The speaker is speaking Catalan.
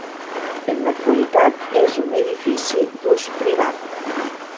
En l'actualitat és un edifici d'ús privat.